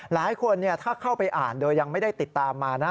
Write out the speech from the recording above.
หลายคนถ้าเข้าไปอ่านโดยยังไม่ได้ติดตามมานะ